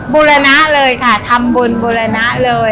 บูรณะเลยค่ะทำบุญบูรณะเลย